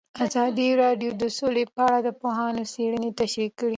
ازادي راډیو د سوله په اړه د پوهانو څېړنې تشریح کړې.